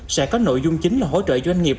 sẽ có nội dung chính là hỗ trợ doanh nghiệp